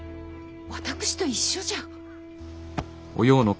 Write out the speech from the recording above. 私と一緒じゃ。